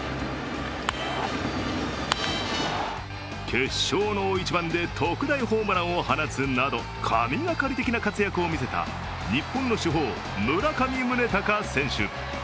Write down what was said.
決勝の大一番で特大ホームランを放つなど神がかり的な活躍を見せた日本の主砲・村上宗隆選手。